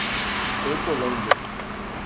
Hortolândia